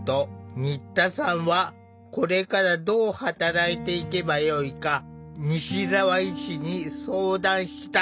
新田さんは「これからどう働いていけばよいか」西澤医師に相談した。